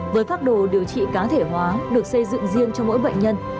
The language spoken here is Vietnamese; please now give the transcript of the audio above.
với pháp đồ điều trị cá thể hóa được xây dựng riêng cho mỗi bệnh nhân